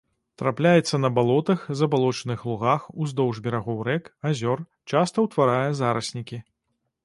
Трапляецца на балотах, забалочаных лугах, уздоўж берагоў рэк, азёр, часта ўтварае зараснікі.